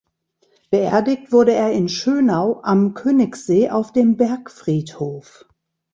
Beerdigt wurde er in Schönau am Königssee auf dem Bergfriedhof.